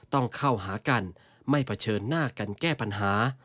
ต้องเข้าหากันไม่เผชิญหน้ากันแก้ปัญหา